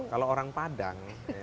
kalau orang padang